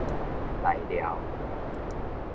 內寮